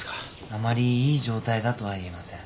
あまりいい状態だとは言えません。